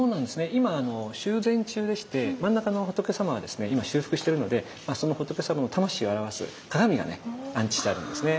今修繕中でして真ん中の仏さまはですね今修復してるのでそのが安置してあるんですね。